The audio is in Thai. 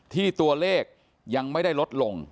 ที่ตัวเลขยังไม่ได้ลดลง